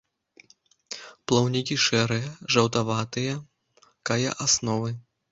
Плаўнікі шэрыя, жаўтаватыя кая асновы.